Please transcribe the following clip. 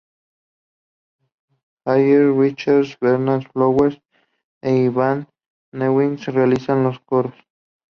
Jagger, Richards, Bernard Fowler e Ivan Neville realizan los coros.